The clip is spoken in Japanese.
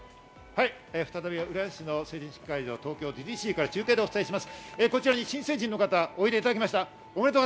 再び浦安市の成人式会場、東京ディズニーシーから中継でお伝えします。